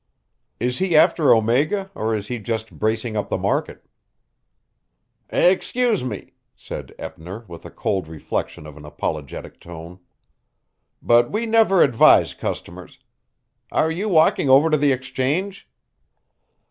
"Is he after Omega, or is he just bracing up the market?" "Excuse me," said Eppner with the cold reflection of an apologetic tone, "but we never advise customers. Are you walking over to the Exchange?"